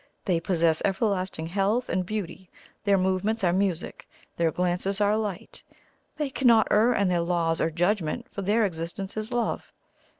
They possess everlasting health and beauty their movements are music their glances are light they cannot err in their laws or judgments, for their existence is love.